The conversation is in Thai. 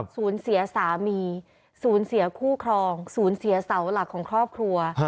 สูญเสียสามีสูญเสียคู่ครองศูนย์เสียเสาหลักของครอบครัว